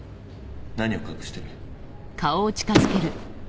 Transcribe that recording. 何を隠してる！？